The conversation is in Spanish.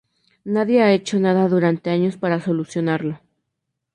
Nadie ha hecho nada durante años para solucionarlo.